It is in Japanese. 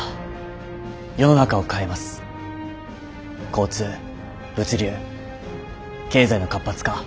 交通物流経済の活発化。